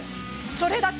それだけ！